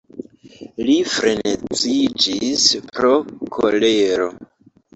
Li freneziĝis pro kolero.